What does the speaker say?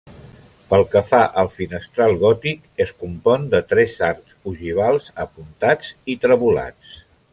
Pel que fa al finestral gòtic es compon de tres arcs ogivals apuntats i trevolats.